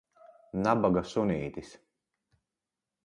Nabaga sunītis.